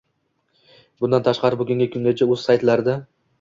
Bundan tashqari bugungi kungacha o’z saytlarida